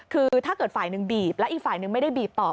คือถ้าเกิดฝ่ายหนึ่งบีบแล้วอีกฝ่ายนึงไม่ได้บีบต่อ